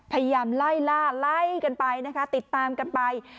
พยายามไล่กันไปติดตามกันไป